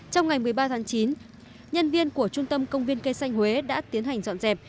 trong ngày một mươi ba tháng chín nhân viên của trung tâm công viên cây xanh huế đã tiến hành dọn dẹp